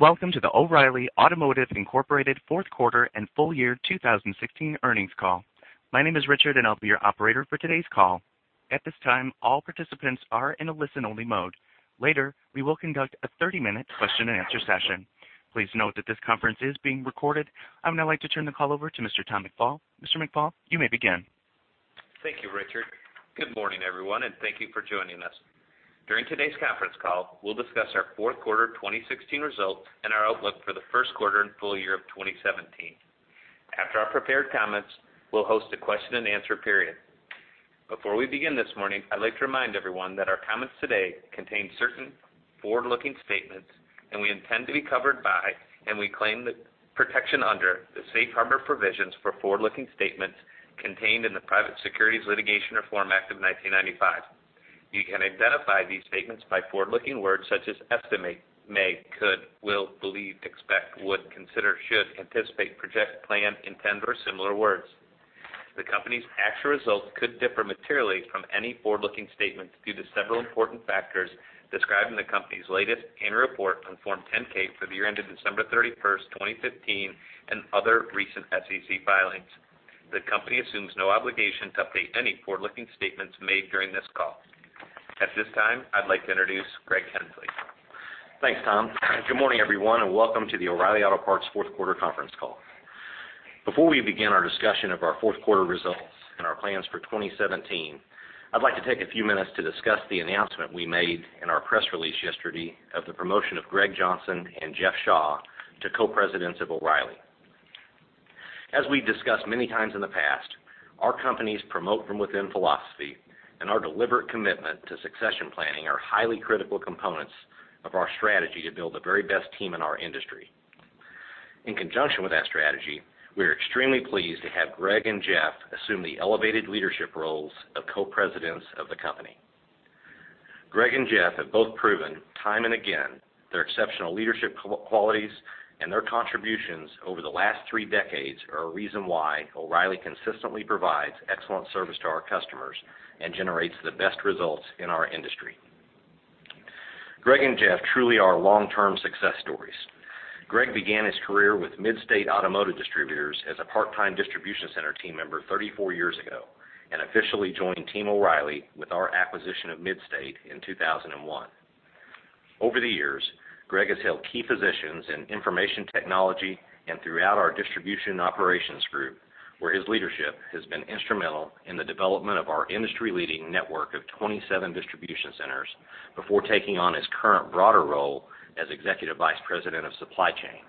Welcome to the O’Reilly Automotive, Inc. fourth quarter and full year 2016 earnings call. My name is Richard, and I'll be your operator for today's call. At this time, all participants are in a listen-only mode. Later, we will conduct a 30-minute question and answer session. Please note that this conference is being recorded. I would now like to turn the call over to Mr. Tom McFall. Mr. McFall, you may begin. Thank you, Richard. Good morning, everyone, and thank you for joining us. During today's conference call, we'll discuss our fourth quarter 2016 results and our outlook for the first quarter and full year of 2017. After our prepared comments, we'll host a question and answer period. Before we begin this morning, I'd like to remind everyone that our comments today contain certain forward-looking statements, and we intend to be covered by, and we claim the protection under the safe harbor provisions for forward-looking statements contained in the Private Securities Litigation Reform Act of 1995. You can identify these statements by forward-looking words such as estimate, may, could, will, believe, expect, would, consider, should, anticipate, project, plan, intend, or similar words. The Company's actual results could differ materially from any forward-looking statements due to several important factors described in the Company's latest annual report on Form 10-K for the year ended December 31st, 2015, and other recent SEC filings. The Company assumes no obligation to update any forward-looking statements made during this call. At this time, I'd like to introduce Greg Henslee. Thanks, Tom. Good morning, everyone, and welcome to the O’Reilly Auto Parts fourth quarter conference call. Before we begin our discussion of our fourth quarter results and our plans for 2017, I'd like to take a few minutes to discuss the announcement we made in our press release yesterday of the promotion of Greg Johnson and Jeff Shaw to Co-Presidents of O’Reilly. As we've discussed many times in the past, our company's promote-from-within philosophy and our deliberate commitment to succession planning are highly critical components of our strategy to build the very best team in our industry. In conjunction with that strategy, we are extremely pleased to have Greg and Jeff assume the elevated leadership roles of Co-Presidents of the company. Greg and Jeff have both proven time and again their exceptional leadership qualities, and their contributions over the last three decades are a reason why O’Reilly consistently provides excellent service to our customers and generates the best results in our industry. Greg and Jeff truly are long-term success stories. Greg began his career with Mid-State Automotive Distributors as a part-time distribution center team member 34 years ago and officially joined Team O’Reilly with our acquisition of Midstate in 2001. Over the years, Greg has held key positions in information technology and throughout our distribution operations group, where his leadership has been instrumental in the development of our industry-leading network of 27 distribution centers before taking on his current broader role as Executive Vice President of Supply Chain.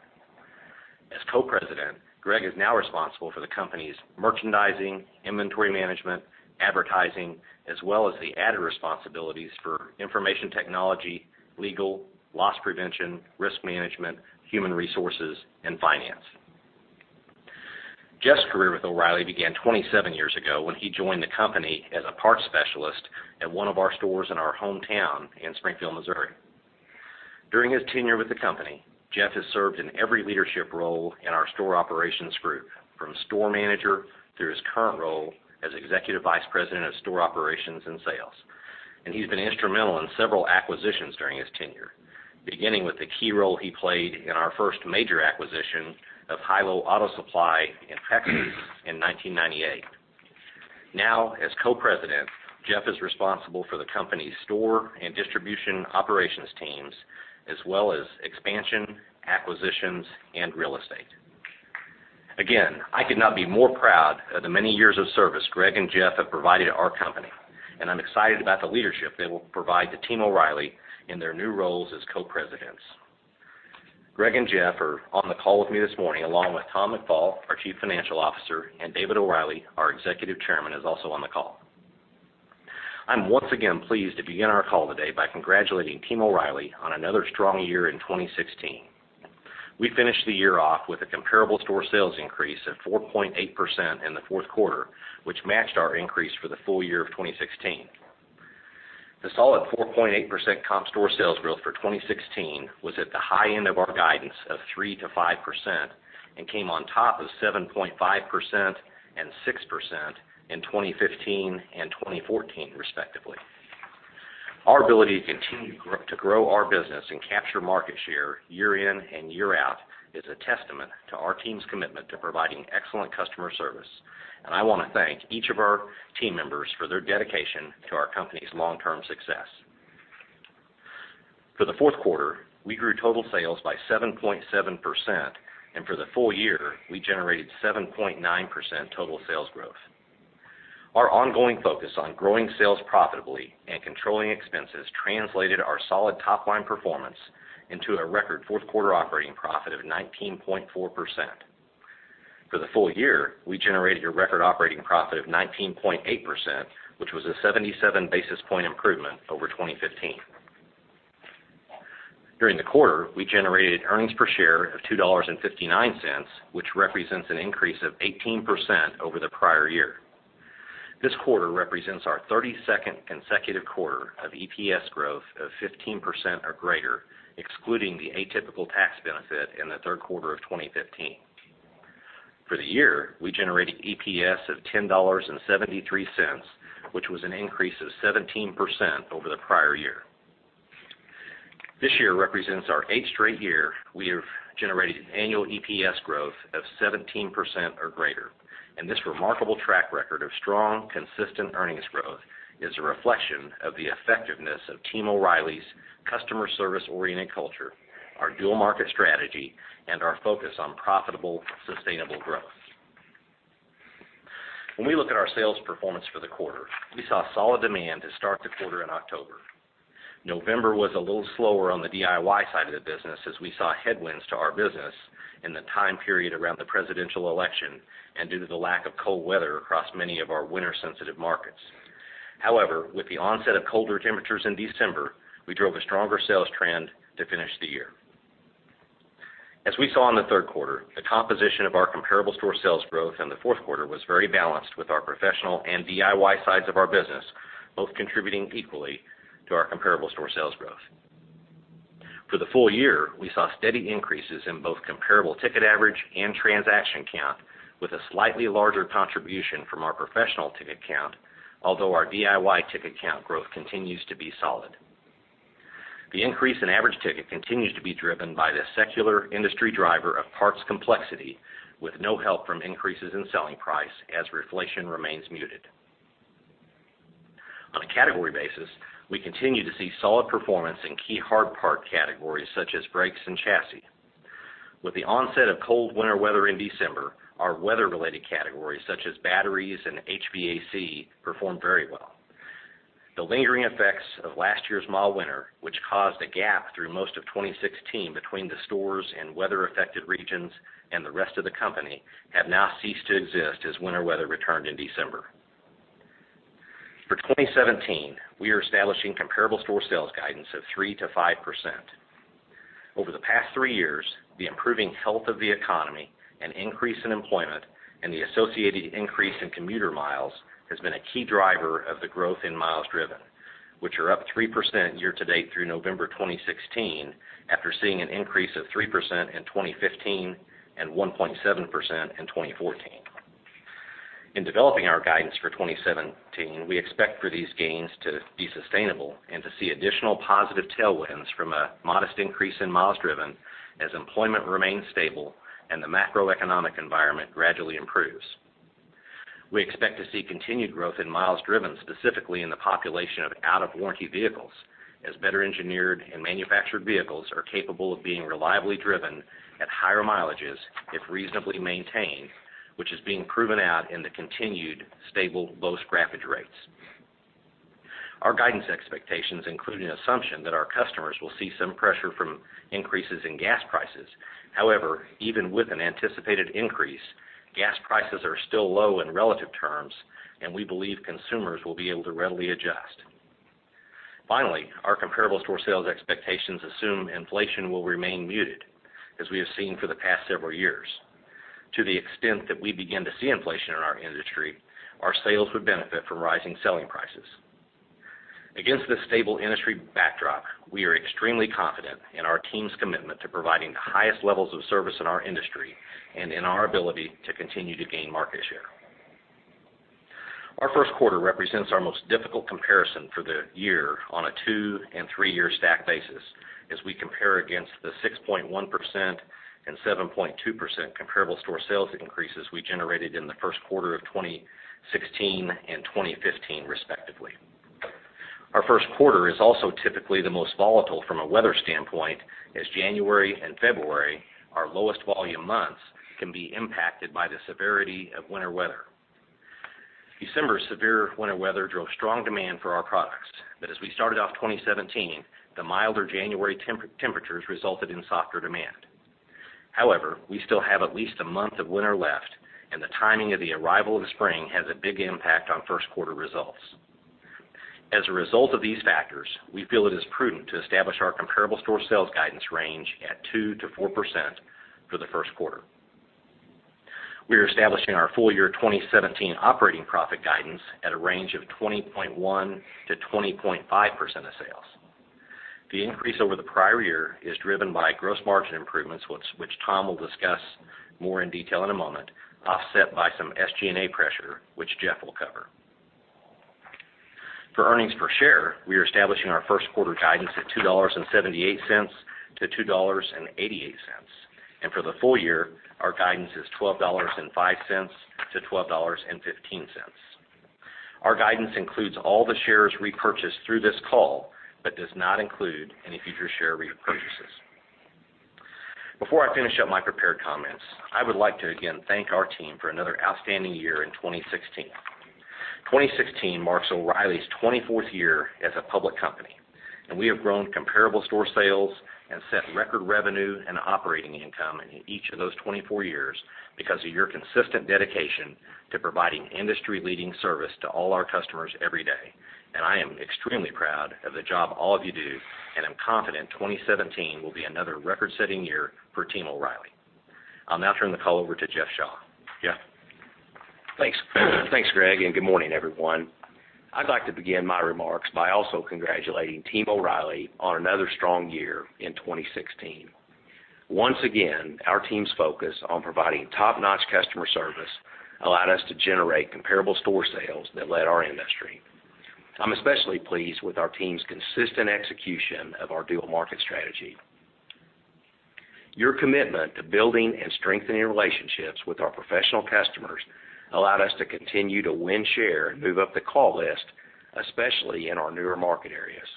As Co-President, Greg is now responsible for the company's merchandising, inventory management, advertising, as well as the added responsibilities for information technology, legal, loss prevention, risk management, human resources, and finance. Jeff's career with O’Reilly began 27 years ago when he joined the company as a parts specialist at one of our stores in our hometown in Springfield, Missouri. During his tenure with the company, Jeff has served in every leadership role in our store operations group, from store manager through his current role as Executive Vice President of Store Operations and Sales. He's been instrumental in several acquisitions during his tenure, beginning with the key role he played in our first major acquisition of Hi/Lo Auto Supply in Texas in 1998. Now, as Co-President, Jeff is responsible for the company's store and distribution operations teams, as well as expansion, acquisitions, and real estate. Again, I could not be more proud of the many years of service Greg and Jeff have provided our company, and I'm excited about the leadership they will provide to Team O’Reilly in their new roles as Co-Presidents. Greg and Jeff are on the call with me this morning, along with Tom McFall, our Chief Financial Officer, and David O’Reilly, our Executive Chairman, is also on the call. I'm once again pleased to begin our call today by congratulating Team O’Reilly on another strong year in 2016. We finished the year off with a comparable store sales increase of 4.8% in the fourth quarter, which matched our increase for the full year of 2016. The solid 4.8% comp store sales growth for 2016 was at the high end of our guidance of 3%-5% and came on top of 7.5% and 6% in 2015 and 2014, respectively. Our ability to continue to grow our business and capture market share year in and year out is a testament to our team's commitment to providing excellent customer service. I want to thank each of our team members for their dedication to our company's long-term success. For the fourth quarter, we grew total sales by 7.7%. For the full year, we generated 7.9% total sales growth. Our ongoing focus on growing sales profitably and controlling expenses translated our solid top-line performance into a record fourth-quarter operating profit of 19.4%. For the full year, we generated a record operating profit of 19.8%, which was a 77-basis-point improvement over 2015. During the quarter, we generated earnings per share of $2.59, which represents an increase of 18% over the prior year. This quarter represents our 32nd consecutive quarter of EPS growth of 15% or greater, excluding the atypical tax benefit in the third quarter of 2015. For the year, we generated EPS of $10.73, which was an increase of 17% over the prior year. This year represents our eighth straight year we have generated an annual EPS growth of 17% or greater. This remarkable track record of strong, consistent earnings growth is a reflection of the effectiveness of Team O'Reilly's customer service-oriented culture, our dual market strategy, and our focus on profitable, sustainable growth. When we look at our sales performance for the quarter, we saw solid demand to start the quarter in October. November was a little slower on the DIY side of the business, as we saw headwinds to our business in the time period around the presidential election and due to the lack of cold weather across many of our winter-sensitive markets. However, with the onset of colder temperatures in December, we drove a stronger sales trend to finish the year. As we saw in the third quarter, the composition of our comparable store sales growth in the fourth quarter was very balanced, with our professional and DIY sides of our business both contributing equally to our comparable store sales growth. For the full year, we saw steady increases in both comparable ticket average and transaction count, with a slightly larger contribution from our professional ticket count, although our DIY ticket count growth continues to be solid. The increase in average ticket continues to be driven by the secular industry driver of parts complexity, with no help from increases in selling price as reflation remains muted. On a category basis, we continue to see solid performance in key hard part categories such as brakes and chassis. With the onset of cold winter weather in December, our weather-related categories such as batteries and HVAC performed very well. The lingering effects of last year’s mild winter, which caused a gap through most of 2016 between the stores and weather-affected regions and the rest of the company, have now ceased to exist as winter weather returned in December. For 2017, we are establishing comparable store sales guidance of 3%-5%. Over the past three years, the improving health of the economy, an increase in employment, and the associated increase in commuter miles has been a key driver of the growth in miles driven, which are up 3% year to date through November 2016, after seeing an increase of 3% in 2015 and 1.7% in 2014. In developing our guidance for 2017, we expect for these gains to be sustainable and to see additional positive tailwinds from a modest increase in miles driven as employment remains stable and the macroeconomic environment gradually improves. We expect to see continued growth in miles driven, specifically in the population of out-of-warranty vehicles, as better engineered and manufactured vehicles are capable of being reliably driven at higher mileages if reasonably maintained, which is being proven out in the continued stable, low scrappage rates. Our guidance expectations include an assumption that our customers will see some pressure from increases in gas prices. However, even with an anticipated increase, gas prices are still low in relative terms, and we believe consumers will be able to readily adjust. Finally, our comparable store sales expectations assume inflation will remain muted as we have seen for the past several years. To the extent that we begin to see inflation in our industry, our sales would benefit from rising selling prices. Against this stable industry backdrop, we are extremely confident in our team’s commitment to providing the highest levels of service in our industry and in our ability to continue to gain market share. Our first quarter represents our most difficult comparison for the year on a two- and three-year stack basis, as we compare against the 6.1% and 7.2% comparable store sales increases we generated in the first quarter of 2016 and 2015 respectively. Our first quarter is also typically the most volatile from a weather standpoint, as January and February, our lowest volume months, can be impacted by the severity of winter weather. December’s severe winter weather drove strong demand for our products, as we started off 2017, the milder January temperatures resulted in softer demand. We still have at least a month of winter left, and the timing of the arrival of spring has a big impact on first quarter results. As a result of these factors, we feel it is prudent to establish our comparable store sales guidance range at 2%-4% for the first quarter. We are establishing our full year 2017 operating profit guidance at a range of 20.1%-20.5% of sales. The increase over the prior year is driven by gross margin improvements, which Tom will discuss more in detail in a moment, offset by some SG&A pressure, which Jeff will cover. For earnings per share, we are establishing our first quarter guidance at $2.78-$2.88. For the full year, our guidance is $12.05-$12.15. Our guidance includes all the shares repurchased through this call but does not include any future share repurchases. Before I finish up my prepared comments, I would like to again thank our team for another outstanding year in 2016. 2016 marks O’Reilly’s 24th year as a public company, we have grown comparable store sales and set record revenue and operating income in each of those 24 years because of your consistent dedication to providing industry-leading service to all our customers every day. I am extremely proud of the job all of you do, and I’m confident 2017 will be another record-setting year for Team O’Reilly. I’ll now turn the call over to Jeff Shaw. Jeff? Thanks, Greg, good morning, everyone. I'd like to begin my remarks by also congratulating Team O’Reilly on another strong year in 2016. Once again, our team's focus on providing top-notch customer service allowed us to generate comparable store sales that led our industry. I'm especially pleased with our team's consistent execution of our dual market strategy. Your commitment to building and strengthening relationships with our professional customers allowed us to continue to win, share, and move up the call list, especially in our newer market areas.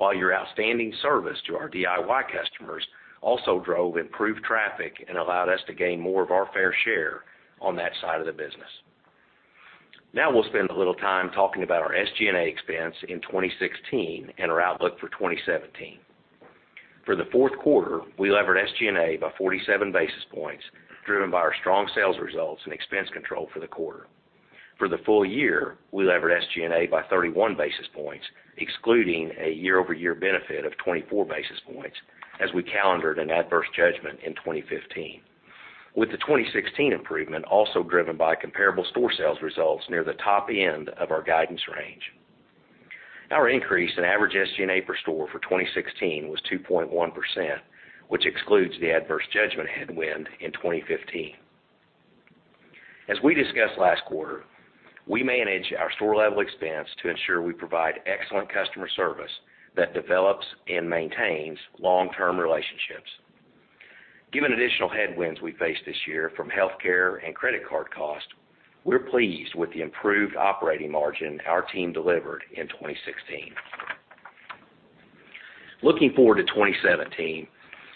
Your outstanding service to our DIY customers also drove improved traffic and allowed us to gain more of our fair share on that side of the business. We'll spend a little time talking about our SG&A expense in 2016 and our outlook for 2017. For the fourth quarter, we levered SG&A by 47 basis points, driven by our strong sales results and expense control for the quarter. For the full year, we levered SG&A by 31 basis points, excluding a year-over-year benefit of 24 basis points as we calendared an adverse judgment in 2015. With the 2016 improvement also driven by comparable store sales results near the top end of our guidance range. Our increase in average SG&A per store for 2016 was 2.1%, which excludes the adverse judgment headwind in 2015. As we discussed last quarter, we manage our store-level expense to ensure we provide excellent customer service that develops and maintains long-term relationships. Given additional headwinds we faced this year from healthcare and credit card costs, we're pleased with the improved operating margin our team delivered in 2016. Looking forward to 2017,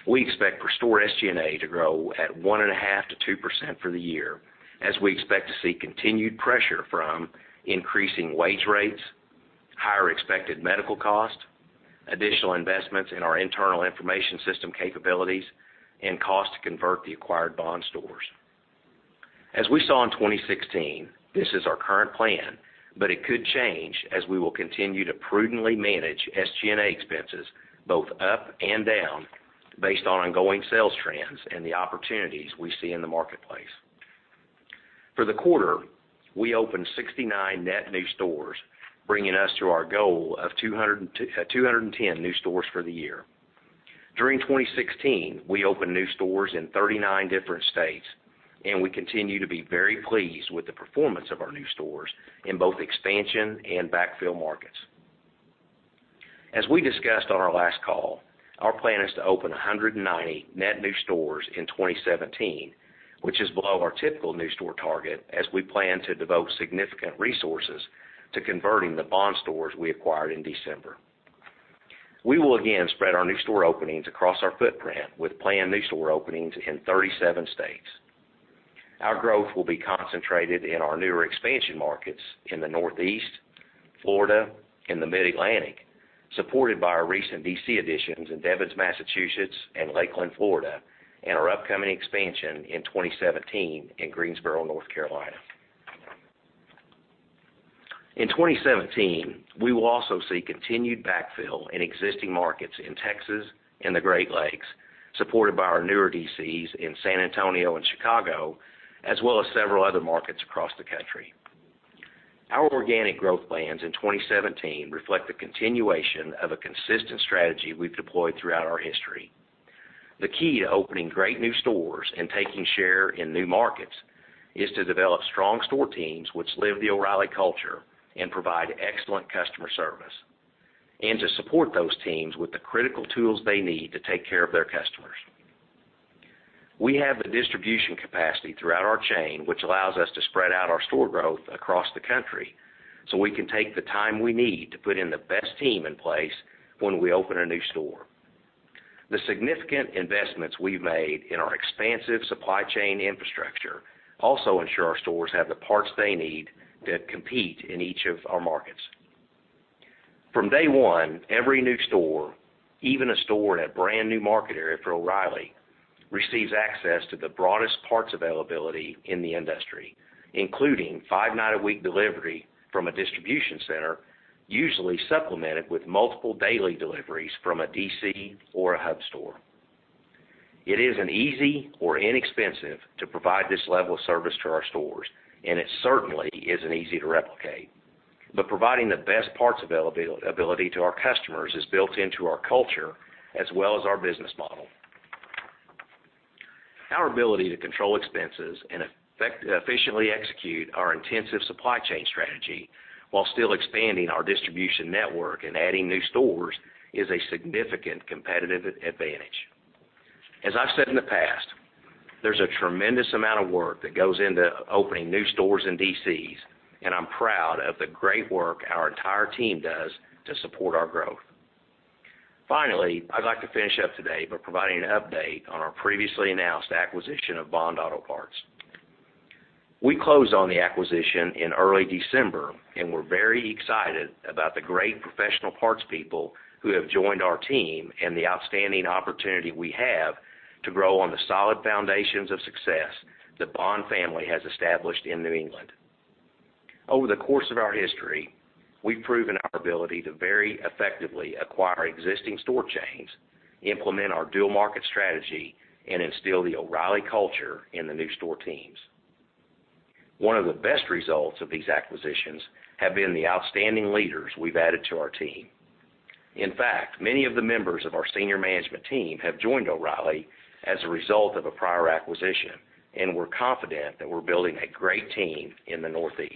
we expect per-store SG&A to grow at 1.5%-2% for the year, as we expect to see continued pressure from increasing wage rates, higher expected medical costs, additional investments in our internal information system capabilities, and cost to convert the acquired Bond stores. As we saw in 2016, this is our current plan, but it could change as we will continue to prudently manage SG&A expenses both up and down based on ongoing sales trends and the opportunities we see in the marketplace. For the quarter, we opened 69 net new stores, bringing us to our goal of 210 new stores for the year. During 2016, we opened new stores in 39 different states, and we continue to be very pleased with the performance of our new stores in both expansion and backfill markets. As we discussed on our last call, our plan is to open 190 net new stores in 2017, which is below our typical new store target, as we plan to devote significant resources to converting the Bond stores we acquired in December. We will again spread our new store openings across our footprint with planned new store openings in 37 states. Our growth will be concentrated in our newer expansion markets in the Northeast, Florida, and the mid-Atlantic, supported by our recent DC additions in Devens, Massachusetts, and Lakeland, Florida, and our upcoming expansion in 2017 in Greensboro, North Carolina. In 2017, we will also see continued backfill in existing markets in Texas and the Great Lakes, supported by our newer DCs in San Antonio and Chicago, as well as several other markets across the country. Our organic growth plans in 2017 reflect the continuation of a consistent strategy we've deployed throughout our history. The key to opening great new stores and taking share in new markets is to develop strong store teams which live the O’Reilly culture and provide excellent customer service, and to support those teams with the critical tools they need to take care of their customers. We have the distribution capacity throughout our chain, which allows us to spread out our store growth across the country so we can take the time we need to put in the best team in place when we open a new store. The significant investments we've made in our expansive supply chain infrastructure also ensure our stores have the parts they need to compete in each of our markets. From day one, every new store, even a store in a brand-new market area for O’Reilly, receives access to the broadest parts availability in the industry, including five-night-a-week delivery from a distribution center, usually supplemented with multiple daily deliveries from a DC or a hub store. It isn't easy or inexpensive to provide this level of service to our stores, and it certainly isn't easy to replicate. Providing the best parts availability to our customers is built into our culture as well as our business model. Our ability to control expenses and efficiently execute our intensive supply chain strategy while still expanding our distribution network and adding new stores is a significant competitive advantage. As I've said in the past, there's a tremendous amount of work that goes into opening new stores and DCs, and I'm proud of the great work our entire team does to support our growth. Finally, I'd like to finish up today by providing an update on our previously announced acquisition of Bond Auto Parts. We closed on the acquisition in early December, and we're very excited about the great professional parts people who have joined our team and the outstanding opportunity we have to grow on the solid foundations of success the Bond family has established in New England. Over the course of our history, we've proven our ability to very effectively acquire existing store chains, implement our dual market strategy, and instill the O’Reilly culture in the new store teams. One of the best results of these acquisitions have been the outstanding leaders we've added to our team. In fact, many of the members of our senior management team have joined O’Reilly as a result of a prior acquisition, and we're confident that we're building a great team in the Northeast.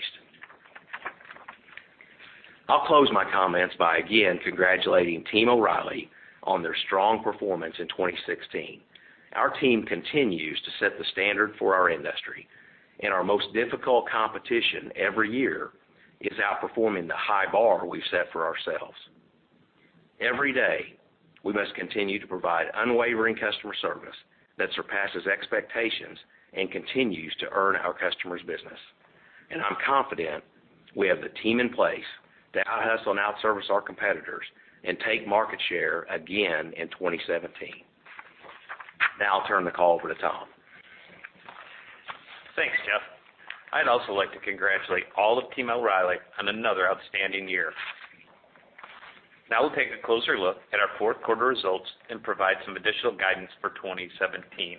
I'll close my comments by again congratulating Team O’Reilly on their strong performance in 2016. Our team continues to set the standard for our industry, and our most difficult competition every year is outperforming the high bar we've set for ourselves. Every day, we must continue to provide unwavering customer service that surpasses expectations and continues to earn our customers' business. I'm confident we have the team in place to out-hustle and out-service our competitors and take market share again in 2017. Now I'll turn the call over to Tom. Thanks, Jeff. I'd also like to congratulate all of Team O’Reilly on another outstanding year. Now we'll take a closer look at our fourth quarter results and provide some additional guidance for 2017.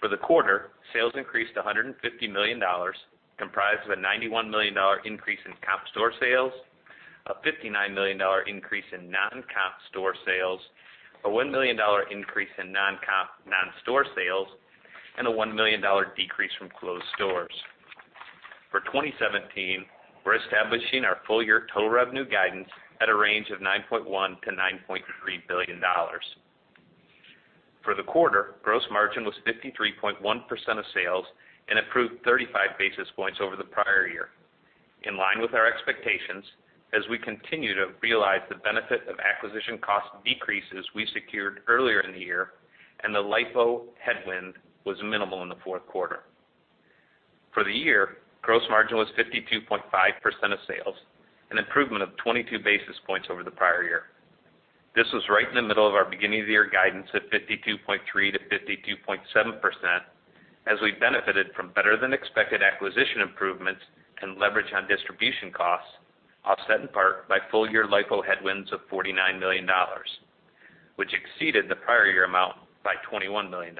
For the quarter, sales increased to $150 million, comprised of a $91 million increase in comp store sales, a $59 million increase in non-comp store sales, a $1 million increase in non-comp non-store sales, and a $1 million decrease from closed stores. For 2017, we're establishing our full year total revenue guidance at a range of $9.1 billion-$9.3 billion. For the quarter, gross margin was 53.1% of sales and improved 35 basis points over the prior year. In line with our expectations, as we continue to realize the benefit of acquisition cost decreases we secured earlier in the year, and the LIFO headwind was minimal in the fourth quarter. For the year, gross margin was 52.5% of sales, an improvement of 22 basis points over the prior year. This was right in the middle of our beginning of the year guidance at 52.3%-52.7%, as we benefited from better than expected acquisition improvements and leverage on distribution costs, offset in part by full year LIFO headwinds of $49 million, which exceeded the prior year amount by $21 million.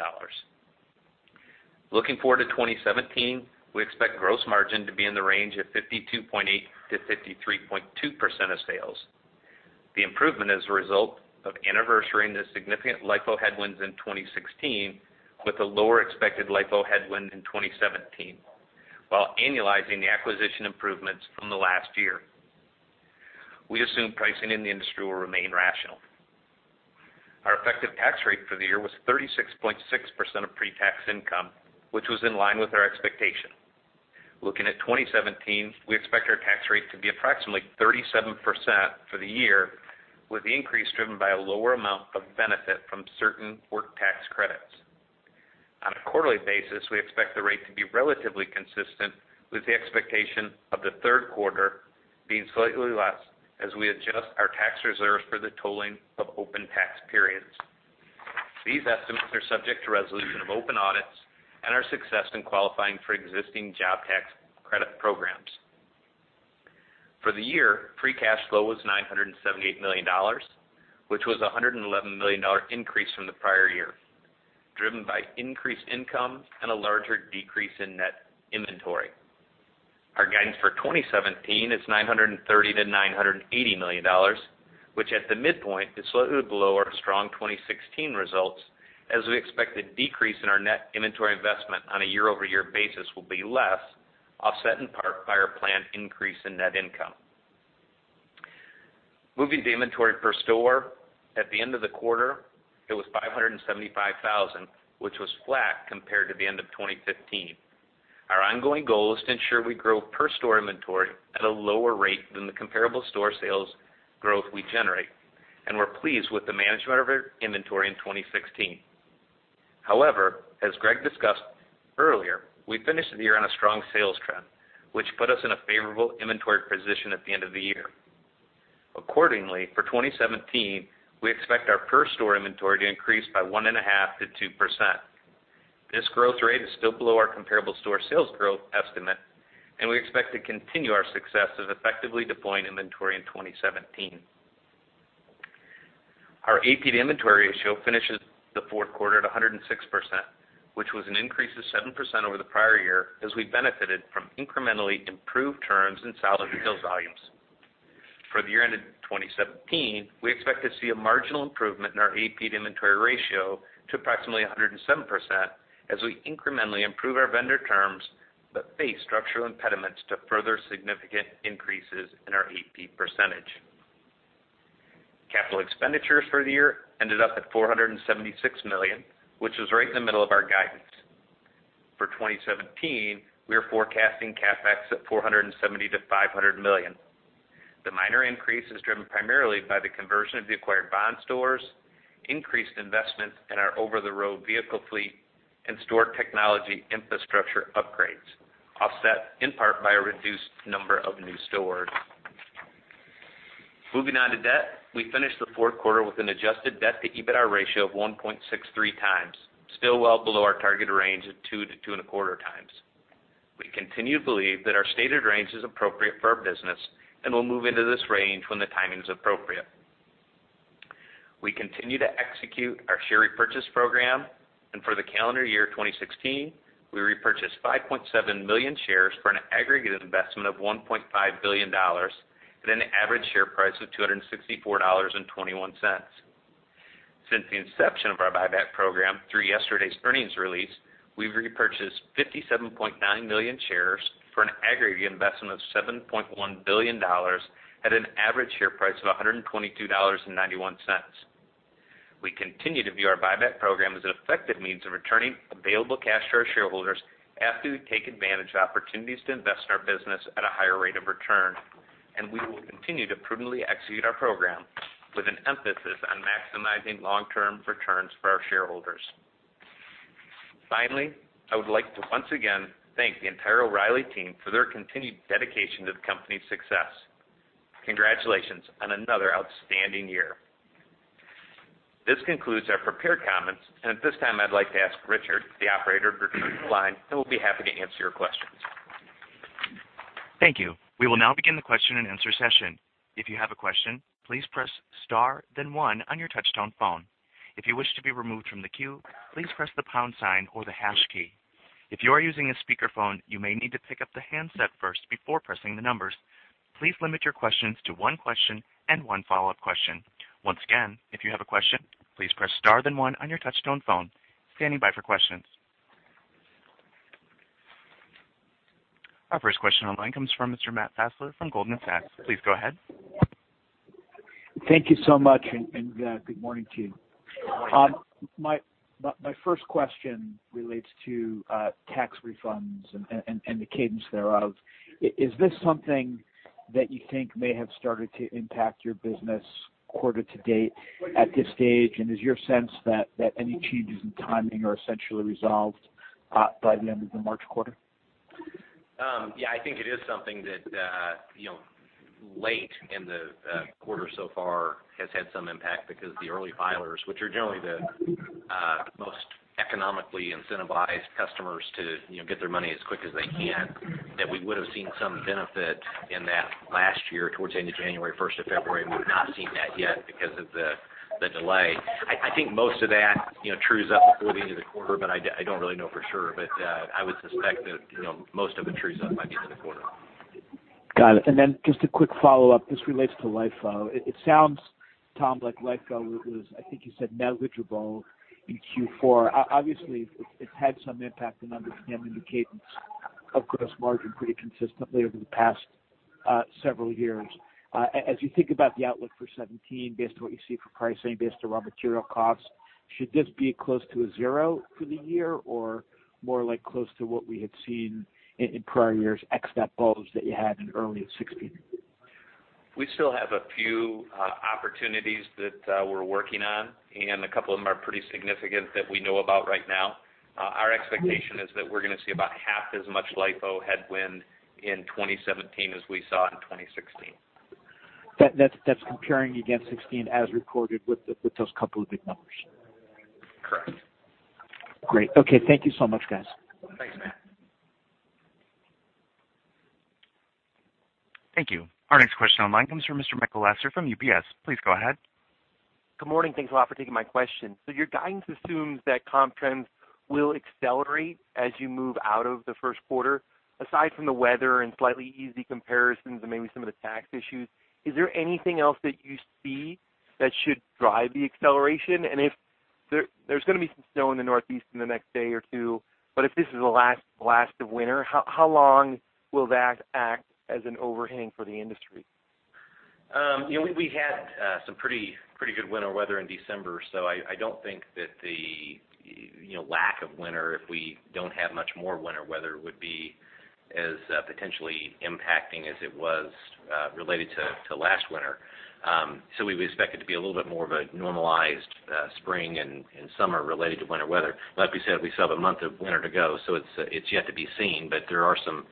Looking forward to 2017, we expect gross margin to be in the range of 52.8%-53.2% of sales. The improvement is a result of anniversarying the significant LIFO headwinds in 2016 with a lower expected LIFO headwind in 2017, while annualizing the acquisition improvements from the last year. We assume pricing in the industry will remain rational. Our effective tax rate for the year was 36.6% of pre-tax income, which was in line with our expectation. Looking at 2017, we expect our tax rate to be approximately 37% for the year, with the increase driven by a lower amount of benefit from certain work tax credits. On a quarterly basis, we expect the rate to be relatively consistent, with the expectation of the third quarter being slightly less as we adjust our tax reserves for the tolling of open tax periods. These estimates are subject to resolution of open audits and our success in qualifying for existing job tax credit programs. For the year, free cash flow was $978 million, which was a $111 million increase from the prior year, driven by increased income and a larger decrease in net inventory. Our guidance for 2017 is $930 million-$980 million, which at the midpoint is slightly below our strong 2016 results as we expect a decrease in our net inventory investment on a year-over-year basis will be less, offset in part by our planned increase in net income. Moving to inventory per store, at the end of the quarter, it was 575,000, which was flat compared to the end of 2015. Our ongoing goal is to ensure we grow per store inventory at a lower rate than the comparable store sales growth we generate, and we're pleased with the management of our inventory in 2016. However, as Greg discussed earlier, we finished the year on a strong sales trend, which put us in a favorable inventory position at the end of the year. Accordingly, for 2017, we expect our per store inventory to increase by 1.5%-2%. This growth rate is still below our comparable store sales growth estimate. We expect to continue our success of effectively deploying inventory in 2017. Our AP inventory ratio finishes the fourth quarter at 106%, which was an increase of 7% over the prior year as we benefited from incrementally improved terms in sell-in refill volumes. For the year-end of 2017, we expect to see a marginal improvement in our AP inventory ratio to approximately 107% as we incrementally improve our vendor terms but face structural impediments to further significant increases in our AP percentage. Capital expenditures for the year ended up at $476 million, which was right in the middle of our guidance. For 2017, we are forecasting CapEx at $470 million-$500 million. The minor increase is driven primarily by the conversion of the acquired Bond stores, increased investment in our over-the-road vehicle fleet, and store technology infrastructure upgrades, offset in part by a reduced number of new stores. Moving on to debt. We finished the fourth quarter with an adjusted debt to EBITDA ratio of 1.63 times, still well below our target range of 2-2.25 times. We continue to believe that our stated range is appropriate for our business and will move into this range when the timing is appropriate. We continue to execute our share repurchase program. For the calendar year 2016, we repurchased 5.7 million shares for an aggregate investment of $1.5 billion at an average share price of $264.21. Since the inception of our buyback program, through yesterday's earnings release, we've repurchased 57.9 million shares for an aggregate investment of $7.1 billion at an average share price of $122.91. We continue to view our buyback program as an effective means of returning available cash to our shareholders after we take advantage of opportunities to invest in our business at a higher rate of return. We will continue to prudently execute our program with an emphasis on maximizing long-term returns for our shareholders. Finally, I would like to once again thank the entire O’Reilly team for their continued dedication to the company's success. Congratulations on another outstanding year. This concludes our prepared comments, and at this time, I'd like to ask Richard, the operator, to repeat the line, and we'll be happy to answer your questions. Thank you. We will now begin the question and answer session. If you have a question, please press star then one on your touch-tone phone. If you wish to be removed from the queue, please press the pound sign or the hash key. If you are using a speakerphone, you may need to pick up the handset first before pressing the numbers. Please limit your questions to one question and one follow-up question. Once again, if you have a question, please press star then one on your touch-tone phone. Standing by for questions. Our first question on line comes from Mr. Matt Fassler from Goldman Sachs. Please go ahead. Thank you so much, good morning to you. Good morning. My first question relates to tax refunds and the cadence thereof. Is this something that you think may have started to impact your business quarter to date at this stage? Is your sense that any changes in timing are essentially resolved by the end of the March quarter? Yeah, I think it is something that late in the quarter so far has had some impact because the early filers, which are generally the most economically incentivized customers to get their money as quick as they can, that we would have seen some benefit in that last year towards the end of January, 1st of February. We've not seen that yet because of the delay. I think most of that trues up before the end of the quarter, I don't really know for sure. I would suspect that most of it trues up by the end of the quarter. Got it. Just a quick follow-up. This relates to LIFO. It sounds, Tom, like LIFO was, I think you said negligible in Q4. Obviously, it's had some impact in understanding the cadence of gross margin pretty consistently over the past several years. As you think about the outlook for 2017 based on what you see for pricing based on raw material costs, should this be close to a zero for the year or more like close to what we had seen in prior years, ex that bulge that you had in early 2016? We still have a few opportunities that we're working on, and a couple of them are pretty significant that we know about right now. Our expectation is that we're going to see about half as much LIFO headwind in 2017 as we saw in 2016. That's comparing against 2016 as recorded with those couple of big numbers? Correct. Great. Okay. Thank you so much, guys. Thanks, Matt. Thank you. Our next question on line comes from Mr. Michael Lasser from UBS. Please go ahead. Good morning. Thanks a lot for taking my question. Your guidance assumes that comp trends will accelerate as you move out of the first quarter. Aside from the weather and slightly easy comparisons and maybe some of the tax issues, is there anything else that you see that should drive the acceleration? If there's going to be some snow in the Northeast in the next day or two, but if this is the last blast of winter, how long will that act as an overhanging for the industry? We had some pretty good winter weather in December, I don't think that the lack of winter, if we don't have much more winter weather, would be as potentially impacting as it was related to last winter. We would expect it to be a little bit more of a normalized spring and summer related to winter weather. Like we said, we still have a month of winter to go, it's yet to be seen, but there are some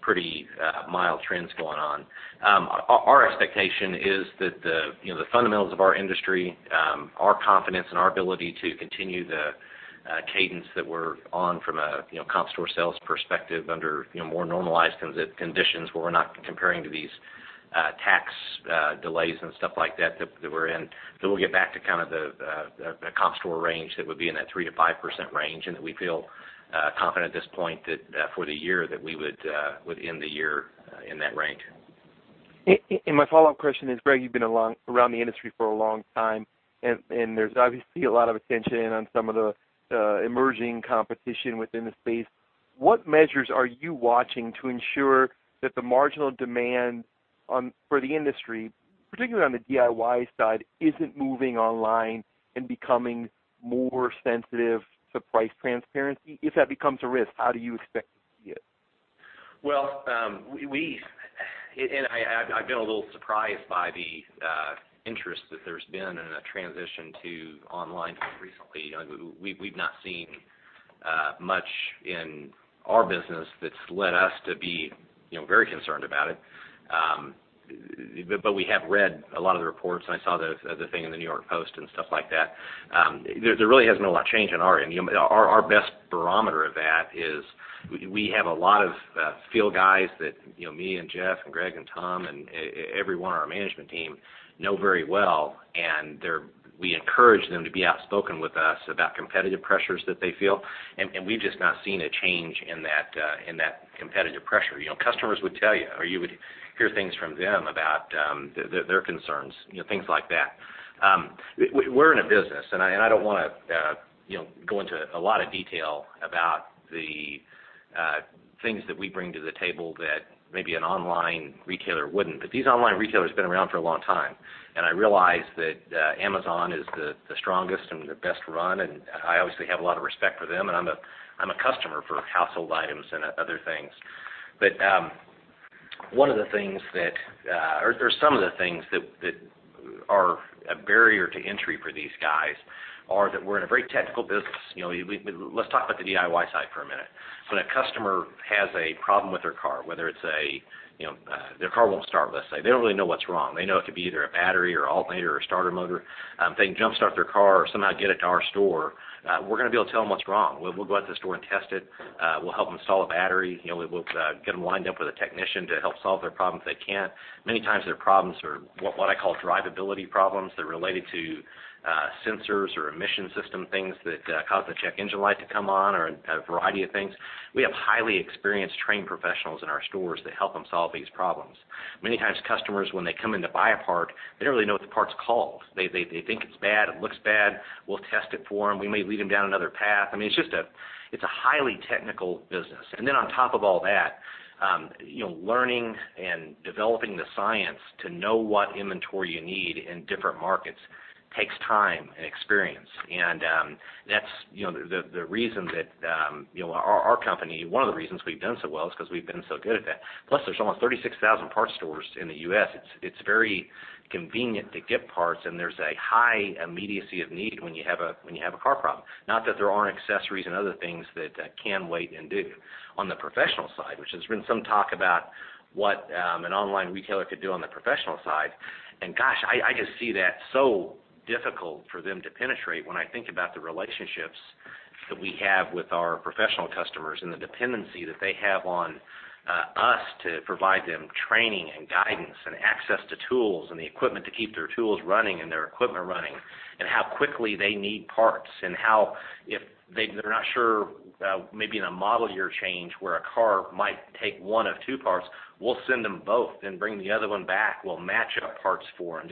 pretty mild trends going on. Our expectation is that the fundamentals of our industry, our confidence and our ability to continue the cadence that we're on from a comp store sales perspective under more normalized conditions where we're not comparing to these tax delays and stuff like that we're in. We'll get back to kind of the comp store range that would be in that 3%-5% range. We feel confident at this point that for the year that we would end the year in that range. My follow-up question is, Greg, you've been around the industry for a long time, and there's obviously a lot of attention on some of the emerging competition within the space. What measures are you watching to ensure that the marginal demand for the industry, particularly on the DIY side, isn't moving online and becoming more sensitive to price transparency? If that becomes a risk, how do you expect to see it? Well, I've been a little surprised by the interest that there's been in a transition to online recently. We've not seen much in our business that's led us to be very concerned about it. We have read a lot of the reports, and I saw the thing in the "New York Post" and stuff like that. There really hasn't been a lot of change on our end. Our best barometer of that is we have a lot of field guys that me and Jeff and Greg and Tom and everyone on our management team know very well, and we encourage them to be outspoken with us about competitive pressures that they feel. We've just not seen a change in that competitive pressure. Customers would tell you, or you would hear things from them about their concerns, things like that. We're in a business. I don't want to go into a lot of detail about the things that we bring to the table that maybe an online retailer wouldn't. These online retailers have been around for a long time. I realize that Amazon is the strongest and the best run. I obviously have a lot of respect for them, and I'm a customer for household items and other things. Some of the things that are a barrier to entry for these guys are that we're in a very technical business. Let's talk about the DIY side for a minute. When a customer has a problem with their car, whether it's their car won't start, let's say. They don't really know what's wrong. They know it could be either a battery or alternator or starter motor. If they can jumpstart their car or somehow get it to our store, we're going to be able to tell them what's wrong. We'll go out to the store and test it. We'll help them install a battery. We'll get them lined up with a technician to help solve their problem if they can't. Many times their problems are what I call drivability problems. They're related to sensors or emission system things that cause the check engine light to come on or a variety of things. We have highly experienced trained professionals in our stores that help them solve these problems. Many times customers, when they come in to buy a part, they don't really know what the part's called. They think it's bad. It looks bad. We'll test it for them. We may lead them down another path. It's a highly technical business. On top of all that, learning and developing the science to know what inventory you need in different markets takes time and experience. That's the reason that our company, one of the reasons we've done so well is because we've been so good at that. Plus, there's almost 36,000 parts stores in the U.S. It's very convenient to get parts, and there's a high immediacy of need when you have a car problem. Not that there aren't accessories and other things that can wait and do. On the professional side, which there's been some talk about what an online retailer could do on the professional side. Gosh, I just see that so difficult for them to penetrate when I think about the relationships that we have with our professional customers and the dependency that they have on us to provide them training and guidance and access to tools and the equipment to keep their tools running and their equipment running. How quickly they need parts and how, if they're not sure, maybe in a model year change where a car might take one of two parts, we'll send them both, then bring the other one back. We'll match up parts for them.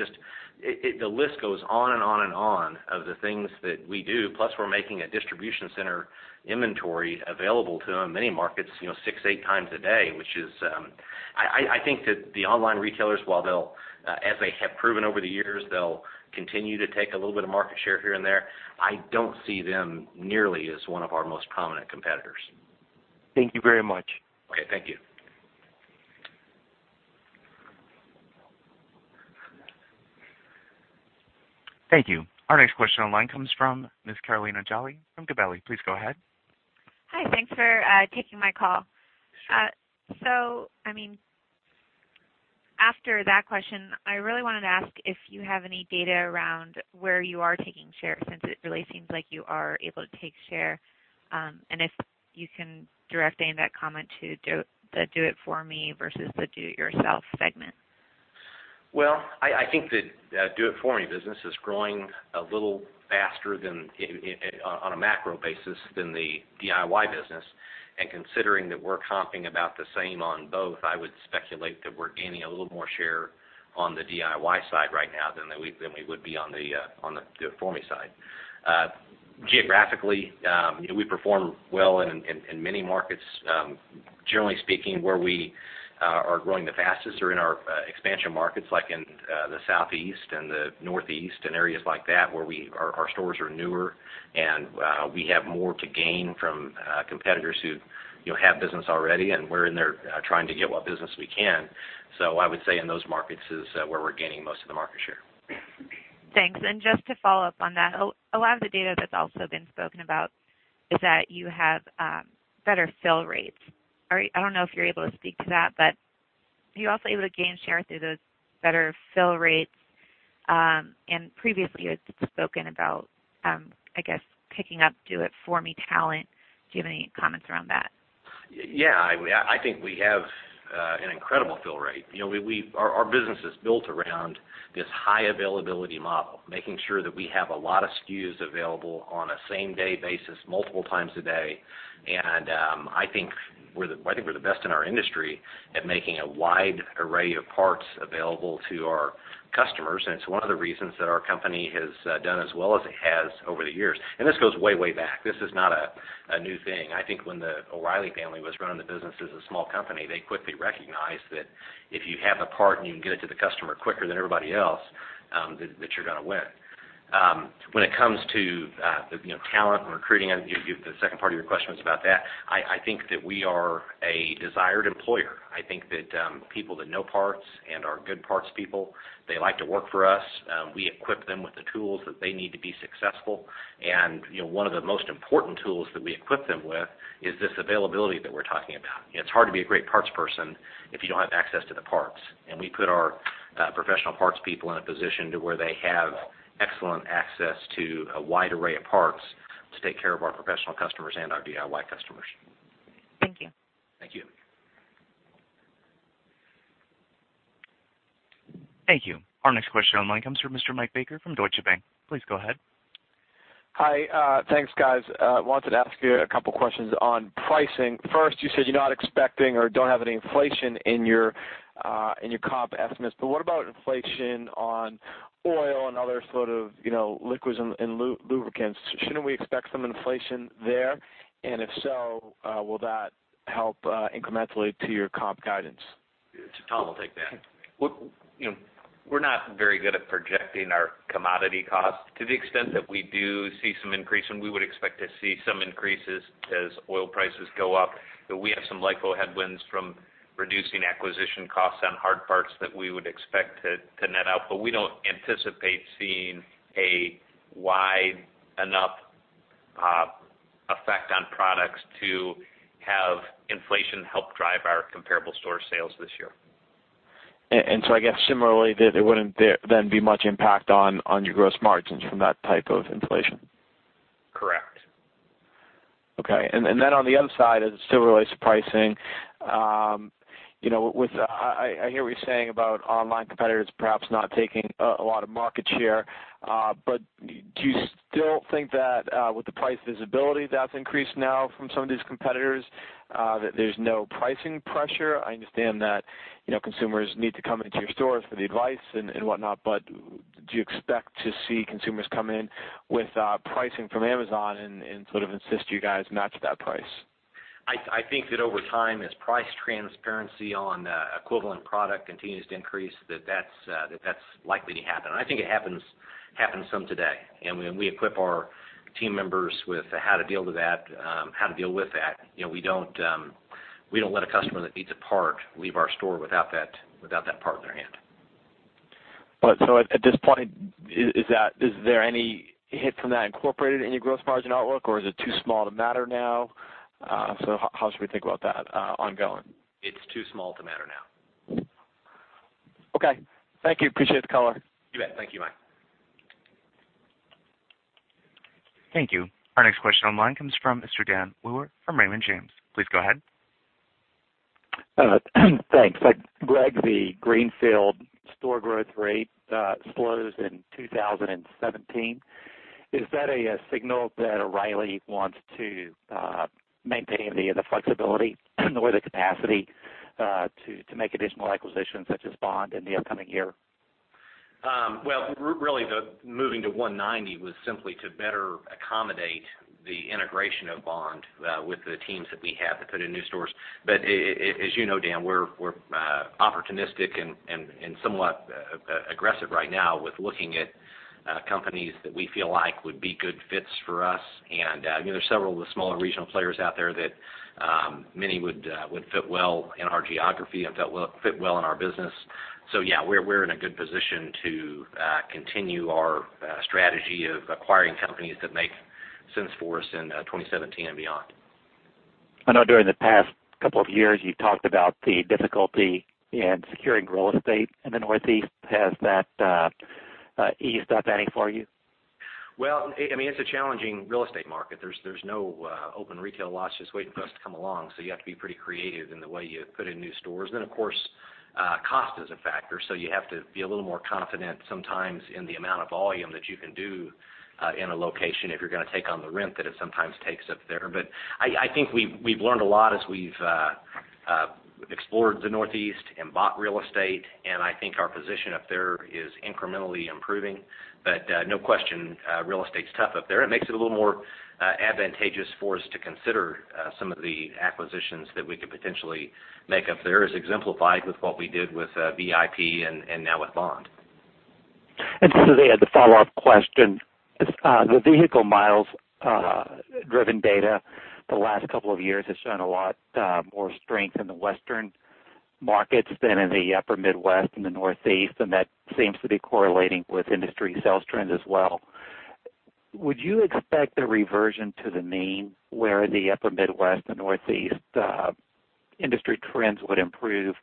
The list goes on and on and on of the things that we do. Plus, we're making a distribution center inventory available to them in many markets six, eight times a day. I think that the online retailers, as they have proven over the years, they'll continue to take a little bit of market share here and there. I don't see them nearly as one of our most prominent competitors. Thank you very much. Okay. Thank you. Thank you. Our next question online comes from Ms. Carolina Jolly from Gabelli. Please go ahead. Hi. Thanks for taking my call. Sure. After that question, I really wanted to ask if you have any data around where you are taking share, since it really seems like you are able to take share, and if you can direct any of that comment to the Do It For Me versus the Do It Yourself segment. Well, I think the Do It For Me business is growing a little faster on a macro basis than the DIY business. Considering that we're comping about the same on both, I would speculate that we're gaining a little more share on the DIY side right now than we would be on the Do It For Me side. Geographically, we perform well in many markets. Generally speaking, where we are growing the fastest are in our expansion markets, like in the Southeast and the Northeast and areas like that, where our stores are newer and we have more to gain from competitors who have business already, and we're in there trying to get what business we can. I would say in those markets is where we're gaining most of the market share. Thanks. Just to follow up on that, a lot of the data that's also been spoken about is that you have better fill rates. I don't know if you're able to speak to that, but are you also able to gain share through those better fill rates? Previously, you had spoken about, I guess, picking up Do It For Me talent. Do you have any comments around that? I think we have an incredible fill rate. Our business is built around this high availability model, making sure that we have a lot of SKUs available on a same-day basis multiple times a day. I think we're the best in our industry at making a wide array of parts available to our customers, and it's one of the reasons that our company has done as well as it has over the years. This goes way back. This is not a new thing. I think when the O'Reilly family was running the business as a small company, they quickly recognized that if you have a part and you can get it to the customer quicker than everybody else, that you're going to win. When it comes to talent and recruiting, the second part of your question was about that. I think that we are a desired employer. I think that people that know parts and are good parts people, they like to work for us. We equip them with the tools that they need to be successful. One of the most important tools that we equip them with is this availability that we're talking about. It's hard to be a great parts person if you don't have access to the parts. We put our professional parts people in a position to where they have excellent access to a wide array of parts to take care of our professional customers and our DIY customers. Thank you. Thank you. Thank you. Our next question online comes from Michael Baker from Deutsche Bank. Please go ahead. Hi. Thanks, guys. I wanted to ask you a couple questions on pricing. First, you said you're not expecting or don't have any inflation in your comp estimates, but what about inflation on oil and other sort of liquids and lubricants? Shouldn't we expect some inflation there? If so, will that help incrementally to your comp guidance? Tom will take that. We're not very good at projecting our commodity costs. To the extent that we do see some increase, and we would expect to see some increases as oil prices go up, but we have some LIFO headwinds from reducing acquisition costs on hard parts that we would expect to net out. We don't anticipate seeing a wide enough effect on products to have inflation help drive our comparable store sales this year. I guess similarly, there wouldn't then be much impact on your gross margins from that type of inflation. Correct. Okay. On the other side, still related to pricing. I hear what you're saying about online competitors perhaps not taking a lot of market share, do you still think that with the price visibility that's increased now from some of these competitors, that there's no pricing pressure? I understand that consumers need to come into your stores for the advice and whatnot, do you expect to see consumers come in with pricing from Amazon and sort of insist you guys match that price? I think that over time, as price transparency on equivalent product continues to increase, that that's likely to happen. I think it happens some today, and we equip our team members with how to deal with that. We don't let a customer that needs a part leave our store without that part in their hand. At this point, is there any hit from that incorporated in your gross margin outlook, or is it too small to matter now? How should we think about that ongoing? It's too small to matter now. Okay. Thank you. Appreciate the call. You bet. Thank you, Mike. Thank you. Our next question online comes from Mr. Dan Wewer from Raymond James. Please go ahead. Thanks. Greg, the Greenfield store growth rate slows in 2017. Is that a signal that O'Reilly wants to maintain the flexibility or the capacity to make additional acquisitions such as Bond in the upcoming year? Really, moving to 190 was simply to better accommodate the integration of Bond with the teams that we have that put in new stores. As you know, Dan, we're opportunistic and somewhat aggressive right now with looking at companies that we feel like would be good fits for us. There are several of the smaller regional players out there that many would fit well in our geography and fit well in our business. Yeah, we're in a good position to continue our strategy of acquiring companies that make sense for us in 2017 and beyond. I know during the past couple of years, you've talked about the difficulty in securing real estate in the Northeast. Has that eased up any for you? Well, it's a challenging real estate market. There's no open retail lots just waiting for us to come along, so you have to be pretty creative in the way you put in new stores. Then, of course, cost is a factor, so you have to be a little more confident sometimes in the amount of volume that you can do in a location if you're going to take on the rent that it sometimes takes up there. I think we've learned a lot as we've explored the Northeast and bought real estate, and I think our position up there is incrementally improving. No question, real estate's tough up there. It makes it a little more advantageous for us to consider some of the acquisitions that we could potentially make up there, as exemplified with what we did with VIP and now with Bond. Just as a follow-up question. The vehicle miles driven data the last couple of years has shown a lot more strength in the Western markets than in the upper Midwest and the Northeast, and that seems to be correlating with industry sales trends as well. Would you expect a reversion to the mean where the upper Midwest and Northeast industry trends would improve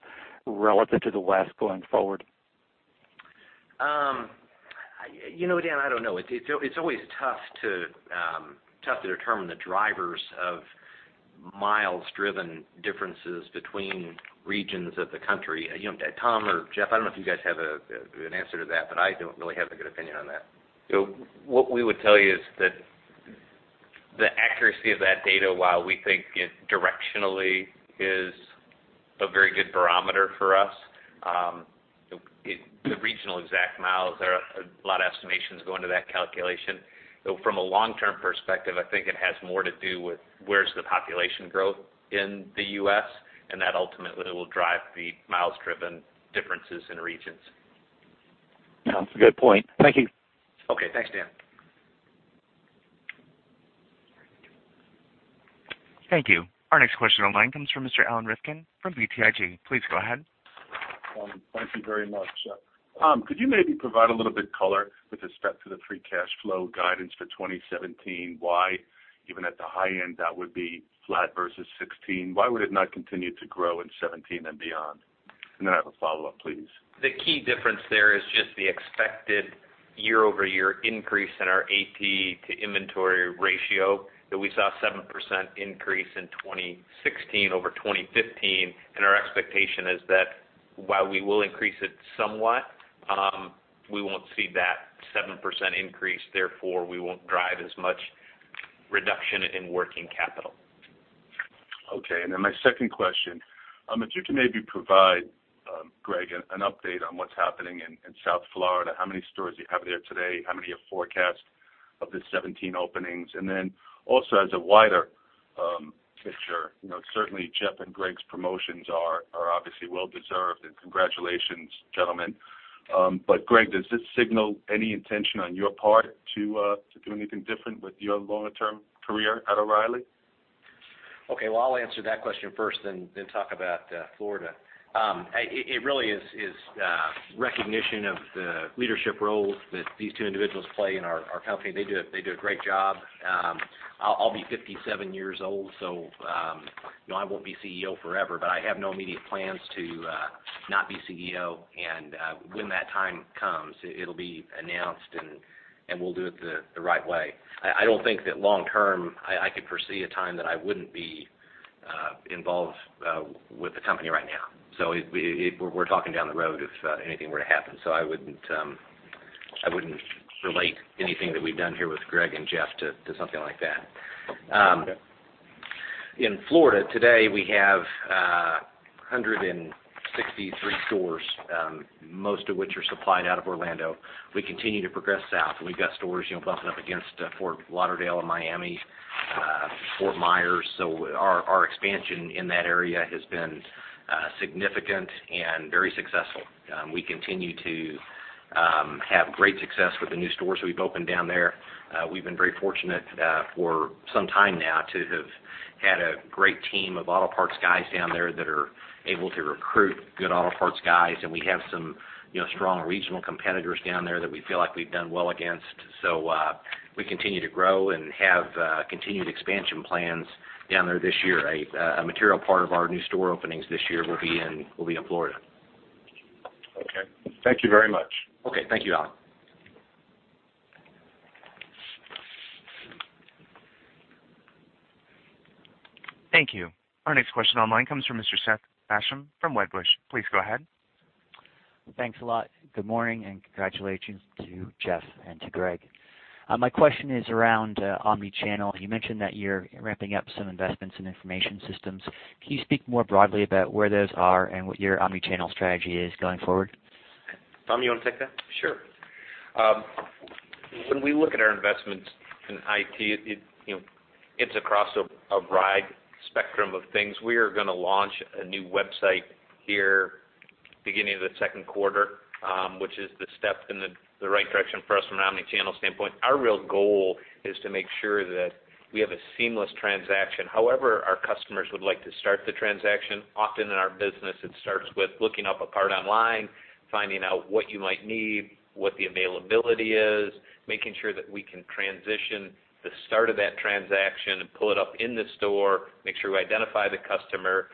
relative to the West going forward? Dan, I don't know. It's always tough to determine the drivers of miles driven differences between regions of the country. Tom or Jeff, I don't know if you guys have an answer to that, but I don't really have a good opinion on that. What we would tell you is that the accuracy of that data, while we think it directionally is a very good barometer for us, the regional exact miles, there are a lot of estimations go into that calculation. From a long-term perspective, I think it has more to do with where's the population growth in the U.S., and that ultimately will drive the miles driven differences in regions. That's a good point. Thank you. Thank you. Our next question online comes from Mr. Alan Rifkin from BTIG. Please go ahead. Thank you very much. Could you maybe provide a little bit color with respect to the free cash flow guidance for 2017? Why, even at the high end, that would be flat versus 2016? Why would it not continue to grow in 2017 and beyond? Then I have a follow-up, please. The key difference there is just the expected year-over-year increase in our AP to inventory ratio, that we saw a 7% increase in 2016 over 2015. Our expectation is that while we will increase it somewhat, we won't see that 7% increase, therefore, we won't drive as much reduction in working capital. Okay. Then my second question, if you can maybe provide, Greg, an update on what's happening in South Florida, how many stores you have there today, how many you forecast of the 2017 openings. Then also as a wider picture, certainly Jeff and Greg's promotions are obviously well-deserved, and congratulations, gentlemen. Greg, does this signal any intention on your part to do anything different with your long-term career at O’Reilly? Okay. Well, I'll answer that question first, then talk about Florida. It really is recognition of the leadership roles that these two individuals play in our company. They do a great job. I'll be 57 years old, so I won't be CEO forever, but I have no immediate plans to not be CEO. When that time comes, it'll be announced, and we'll do it the right way. I don't think that long term, I could foresee a time that I wouldn't be involved with the company right now. We're talking down the road if anything were to happen. I wouldn't relate anything that we've done here with Greg and Jeff to something like that. In Florida today, we have 163 stores, most of which are supplied out of Orlando. We continue to progress south, and we've got stores bumping up against Fort Lauderdale and Miami, Fort Myers. Our expansion in that area has been significant and very successful. We continue to have great success with the new stores we've opened down there. We've been very fortunate for some time now to have had a great team of auto parts guys down there that are able to recruit good auto parts guys, and we have some strong regional competitors down there that we feel like we've done well against. We continue to grow and have continued expansion plans down there this year. A material part of our new store openings this year will be in Florida. Okay. Thank you very much. Okay. Thank you, Alan. Thank you. Our next question online comes from Mr. Seth Basham from Wedbush. Please go ahead. Thanks a lot. Good morning, and congratulations to Jeff and to Greg. My question is around omni-channel. You mentioned that you're ramping up some investments in information systems. Can you speak more broadly about where those are and what your omni-channel strategy is going forward? Tom, you want to take that? Sure. When we look at our investments in IT, it's across a wide spectrum of things. We are going to launch a new website here beginning of the second quarter, which is the step in the right direction for us from an omni-channel standpoint. Our real goal is to make sure that we have a seamless transaction, however our customers would like to start the transaction. Often in our business, it starts with looking up a part online, finding out what you might need, what the availability is, making sure that we can transition the start of that transaction and pull it up in the store, make sure we identify the customer,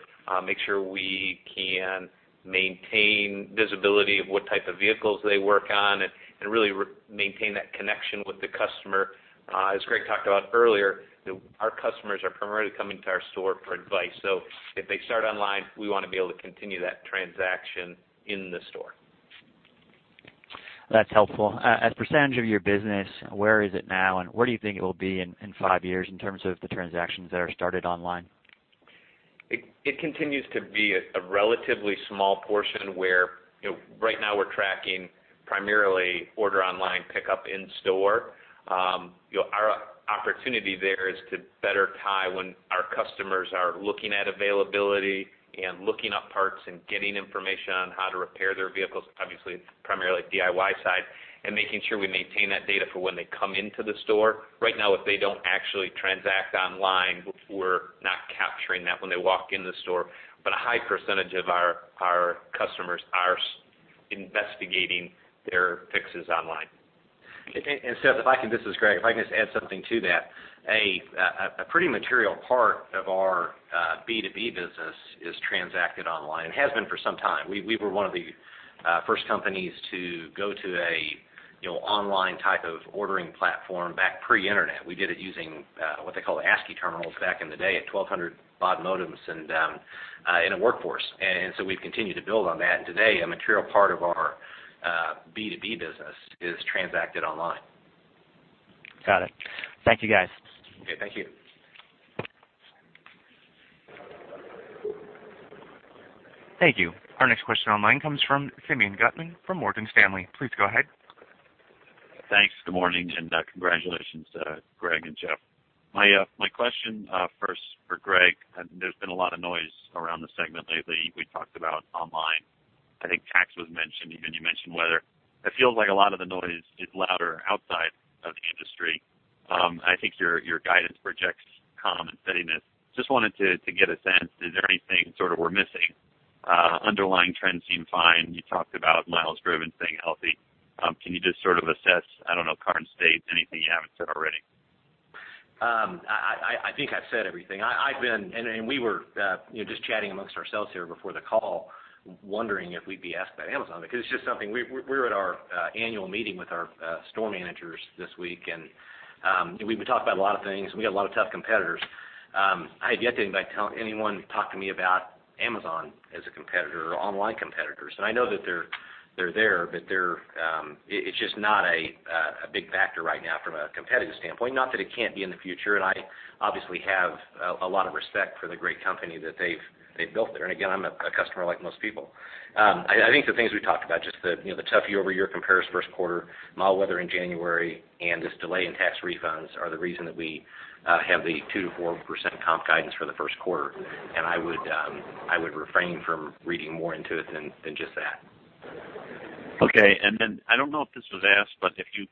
make sure we can maintain visibility of what type of vehicles they work on and really maintain that connection with the customer. As Greg talked about earlier, our customers are primarily coming to our store for advice. if they start online, we want to be able to continue that transaction in the store. That's helpful. As percentage of your business, where is it now, and where do you think it will be in five years in terms of the transactions that are started online? It continues to be a relatively small portion where right now we're tracking primarily order online, pickup in store. Our opportunity there is to better tie when our customers are looking at availability and looking up parts and getting information on how to repair their vehicles, obviously, it's primarily DIY side, and making sure we maintain that data for when they come into the store. Right now, if they don't actually transact online, we're not capturing that when they walk in the store. A high percentage of our customers are investigating their fixes online. Seth, this is Greg. If I can just add something to that. A pretty material part of our B2B business is transacted online, and has been for some time. We were one of the first companies to go to an online type of ordering platform back pre-internet. We did it using what they call ASCII terminals back in the day at 1,200 modems in a workforce. We've continued to build on that, and today, a material part of our B2B business is transacted online. Got it. Thank you, guys. Okay, thank you. Thank you. Our next question online comes from Simeon Gutman from Morgan Stanley. Please go ahead. Thanks. Good morning, and congratulations, Greg and Jeff. My question first for Greg. There's been a lot of noise around the segment lately. We talked about online. I think tax was mentioned, even you mentioned weather. It feels like a lot of the noise is louder outside of the industry. I think your guidance projects calm and steadiness. Just wanted to get a sense, is there anything sort of we're missing? Underlying trends seem fine. You talked about miles driven staying healthy. Can you just sort of assess, I don't know, current state, anything you haven't said already? I think I've said everything. We were just chatting amongst ourselves here before the call, wondering if we'd be asked about Amazon, because it's just something. We're at our annual meeting with our store managers this week, we talked about a lot of things, and we got a lot of tough competitors. I have yet to have anyone talk to me about Amazon as a competitor or online competitors. I know that they're there, but it's just not a big factor right now from a competitive standpoint. Not that it can't be in the future, and I obviously have a lot of respect for the great company that they've built there. Again, I'm a customer like most people. I think the things we talked about, just the tough year-over-year comparison first quarter, mild weather in January, and this delay in tax refunds are the reason that we have the 2%-4% comp guidance for the first quarter. I would refrain from reading more into it than just that. Okay. I don't know if this was asked, but if you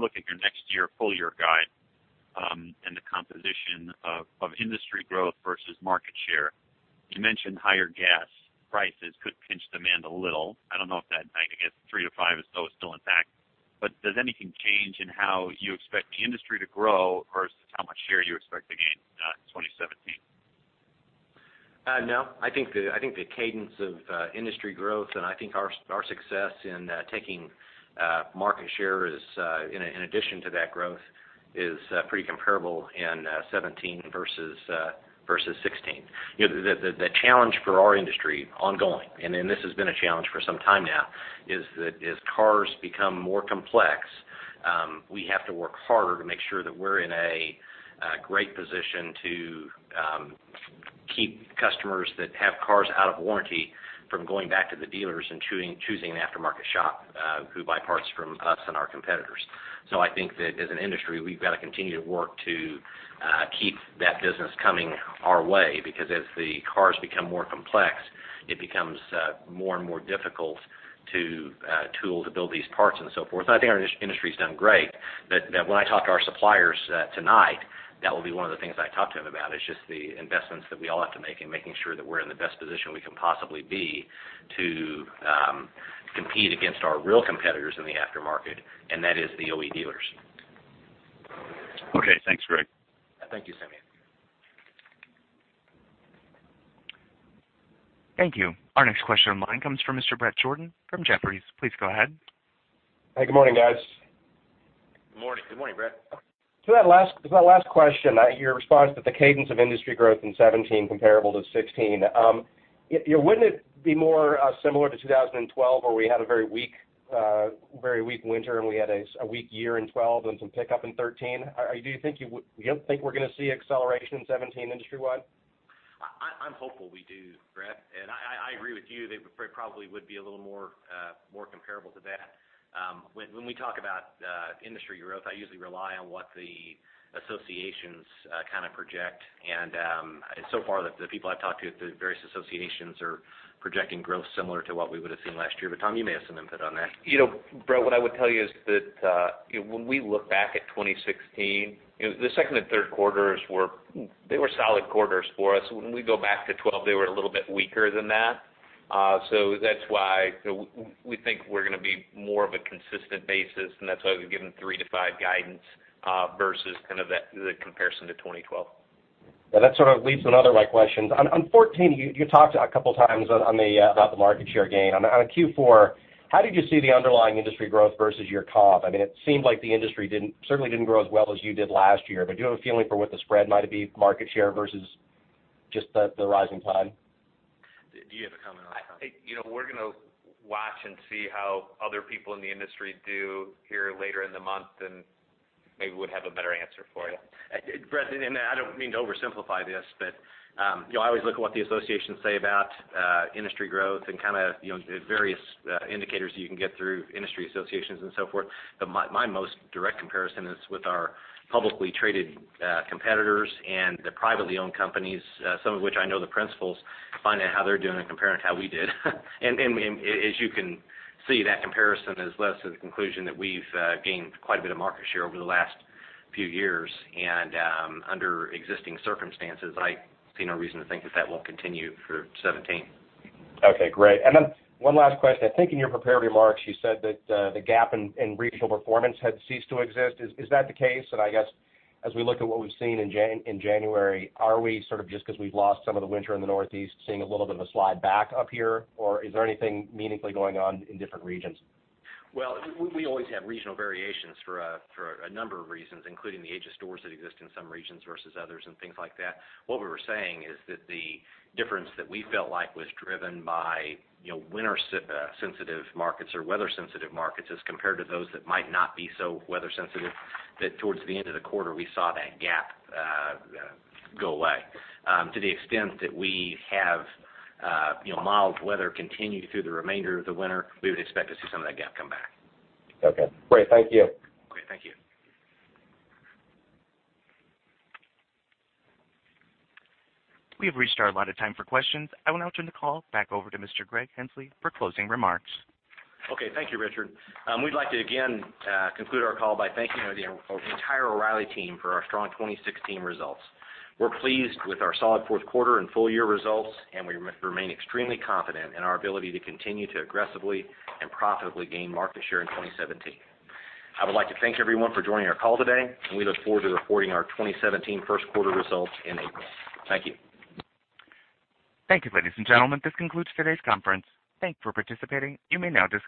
look at your next year full year guide, and the composition of industry growth versus market share, you mentioned higher gas prices could pinch demand a little. I don't know if that, I guess 3%-5% is still intact, but does anything change in how you expect the industry to grow versus how much share you expect to gain in 2017? No. I think the cadence of industry growth, I think our success in taking market share in addition to that growth is pretty comparable in 2017 versus 2016. The challenge for our industry ongoing, this has been a challenge for some time now, is that as cars become more complex, we have to work harder to make sure that we're in a great position to keep customers that have cars out of warranty from going back to the dealers and choosing an aftermarket shop who buy parts from us and our competitors. I think that as an industry, we've got to continue to work to keep that business coming our way, because as the cars become more complex, it becomes more and more difficult to tool to build these parts and so forth. I think our industry's done great, but when I talk to our suppliers tonight, that will be one of the things I talk to them about, is just the investments that we all have to make in making sure that we're in the best position we can possibly be to compete against our real competitors in the aftermarket, and that is the OE dealers. Okay. Thanks, Greg. Thank you, Simeon. Thank you. Our next question in line comes from Mr. Bret Jordan from Jefferies. Please go ahead. Hey, good morning, guys. Good morning, Bret. To that last question, your response that the cadence of industry growth in 2017 comparable to 2016. Wouldn't it be more similar to 2012, where we had a very weak winter and we had a weak year in 2012 and some pickup in 2013? You don't think we're going to see acceleration in 2017 industry-wide? I'm hopeful we do, Bret. I agree with you, they probably would be a little more comparable to that. When we talk about industry growth, I usually rely on what the associations kind of project. So far, the people I've talked to at the various associations are projecting growth similar to what we would've seen last year. Tom, you may have some input on that. Bret, what I would tell you is that when we look back at 2016, the second and third quarters were solid quarters for us. When we go back to 2012, they were a little bit weaker than that. That's why we think we're going to be more of a consistent basis, and that's why we've given 3%-5% guidance, versus kind of the comparison to 2012. Yeah, that sort of leads to another of my questions. On 2014, you talked a couple times about the market share gain. On Q4, how did you see the underlying industry growth versus your comp? It seemed like the industry certainly didn't grow as well as you did last year, do you have a feeling for what the spread might be, market share versus just the rising tide? Do you have a comment on that, Tom? We're going to watch and see how other people in the industry do here later in the month, maybe would have a better answer for you. Bret, I don't mean to oversimplify this, but I always look at what the associations say about industry growth and kind of the various indicators you can get through industry associations and so forth. My most direct comparison is with our publicly traded competitors and the privately owned companies, some of which I know the principals, finding out how they're doing and comparing it to how we did. As you can see, that comparison has led us to the conclusion that we've gained quite a bit of market share over the last few years. Under existing circumstances, I see no reason to think that that won't continue through 2017. Okay, great. Then one last question. I think in your prepared remarks, you said that the gap in regional performance had ceased to exist. Is that the case? I guess as we look at what we've seen in January, are we sort of just because we've lost some of the winter in the Northeast, seeing a little bit of a slide back up here, or is there anything meaningfully going on in different regions? Well, we always have regional variations for a number of reasons, including the age of stores that exist in some regions versus others and things like that. What we were saying is that the difference that we felt like was driven by winter sensitive markets or weather sensitive markets as compared to those that might not be so weather sensitive, that towards the end of the quarter, we saw that gap go away. To the extent that we have mild weather continue through the remainder of the winter, we would expect to see some of that gap come back. Okay, great. Thank you. Great. Thank you. We have reached our allotted time for questions. I will now turn the call back over to Mr. Greg Henslee for closing remarks. Okay. Thank you, Richard. We'd like to again conclude our call by thanking the entire O'Reilly team for our strong 2016 results. We're pleased with our solid fourth quarter and full year results, and we remain extremely confident in our ability to continue to aggressively and profitably gain market share in 2017. I would like to thank everyone for joining our call today, and we look forward to reporting our 2017 first quarter results in April. Thank you. Thank you, ladies and gentlemen. This concludes today's conference. Thanks for participating. You may now disconnect.